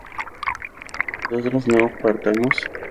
¿nosotras no partamos?